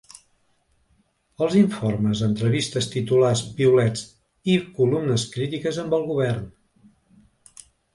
Els informes, entrevistes, titulars, piulets i columnes crítiques amb el govern.